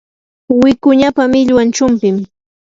wikuñapa millwan chumpim.